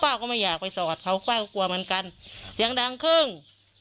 ก็ไม่อยากไปสอดเขาป้าก็กลัวเหมือนกันยังดังครึ่ง